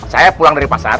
saya pulang dari pasat